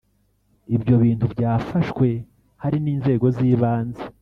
Ibyo bintu byafashwe hari n’inzego z’ibanze